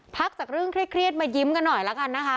พักจากเรื่องเครียดมายิ้มกันหน่อยนะครับ